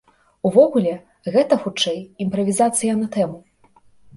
Увогуле, гэта, хутчэй, імправізацыя на тэму.